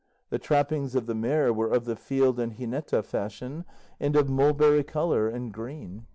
The trappings of the mare were of the field and jineta fashion, and of mulberry colour and green.